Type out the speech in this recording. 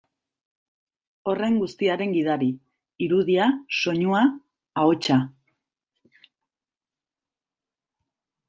Horren guztiaren gidari, irudia, soinua, ahotsa.